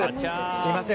すみません